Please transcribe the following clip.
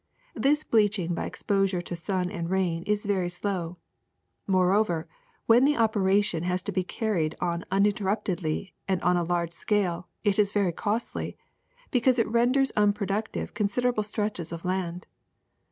^^This bleaching by exposure to sun and rain is very slow. Moreover, when the operation has to be carried on uninterruptedly and on a large scale it is very costly, because it renders unproductive con siderable stretches of land.